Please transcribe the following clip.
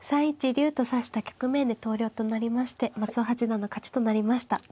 ３一竜と指した局面で投了となりまして松尾八段の勝ちとなりました。